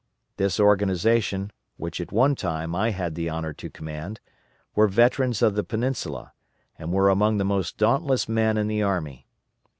This organization, which at one time I had the honor to command, were veterans of the Peninsula, and were among the most dauntless men in the army.